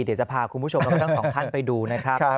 เดี๋ยวจะพาคุณผู้ชมแล้วก็ทั้งสองท่านไปดูนะครับ